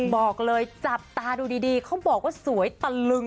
บอกเลยจับตาดูดีเขาบอกว่าสวยตะลึง